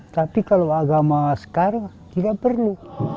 tapi kalau agama sekarang tidak perlu